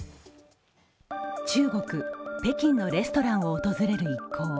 中国・北京のレストランを訪れる一行。